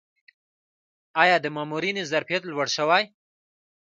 آیا د مامورینو ظرفیت لوړ شوی؟